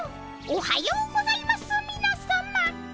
おはようございますみなさま。